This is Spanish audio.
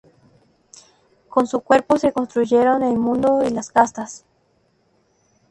Con su cuerpo se construyeron el mundo y las castas.